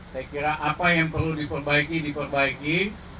saya kira apa yang perlu diperbaiki diperbaiki